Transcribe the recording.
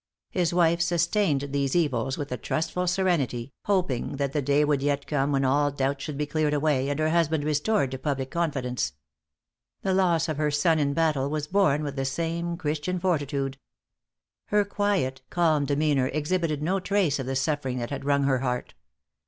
His wife sustained these evils with a trustful serenity, hoping that the day would yet come when all doubts should be cleared away, and her husband restored to public confidence. The loss of her son in battle was borne with the same Christian fortitude. Her quiet, calm demeanor exhibited no trace of the suffering that had wrung her heart.